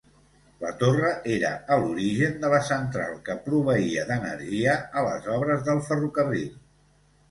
La torre era a l'origen la central que proveïa d'energia a les obres del ferrocarril.